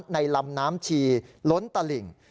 ในลำน้ำชีล้นตลิ่ง